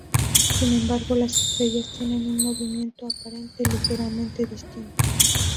Sin embargo, las estrellas tienen un movimiento aparente ligeramente distinto.